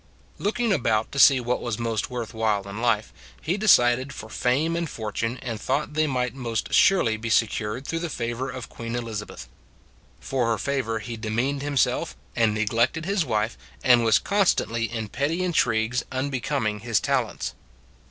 Looking about to see what was most worth while in life, he decided for fame and fortune and thought they might most surely be secured through the favor of Queen Elizabeth. For her favor he de meaned himself, and neglected his wife, and was constantly in petty intrigues un becoming his talents.